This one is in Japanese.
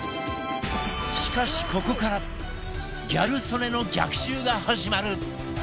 しかしここからギャル曽根の逆襲が始まる！